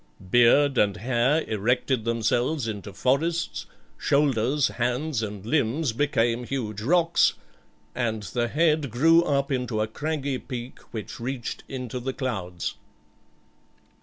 Beard and hair erected themselves into forests; shoulders, hands, and limbs became huge rocks, and the head grew up into a craggy peak which reached into the clouds.